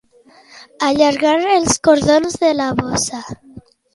Allargar els cordons de la bossa.